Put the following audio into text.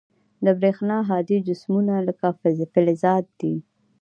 د برېښنا هادي جسمونه لکه فلزات دي.